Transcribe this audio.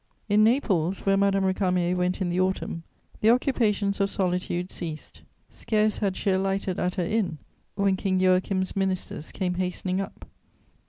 In Naples, where Madame Récamier went in the autumn, the occupations of solitude ceased. Scarce had she alighted at her inn, when King Joachim's ministers came hastening up.